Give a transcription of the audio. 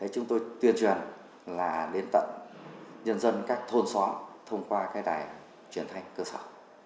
chúng tôi tuyên truyền là đến tận nhân dân các thôn xóa thông qua cái đài truyền thanh cơ sở